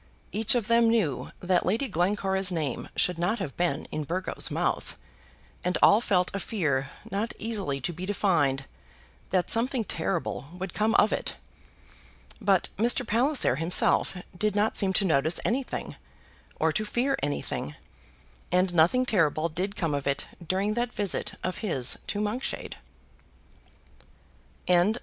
Each of them knew that Lady Glencora's name should not have been in Burgo's mouth, and all felt a fear not easily to be defined that something terrible would come of it. But Mr. Palliser himself did not seem to notice anything, or to fear anything; and nothing terrible did come of it during that visit of his to Monkshade. CHAPTER XXXIV.